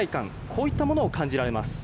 こういったものを感じられます。